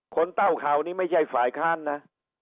เต้าข่าวนี้ไม่ใช่ฝ่ายค้านนะ